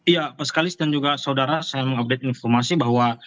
ya pak sekalis dan juga saudara saya mengupdate informasi bahwa